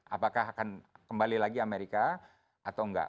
apakah akan kembali lagi amerika atau enggak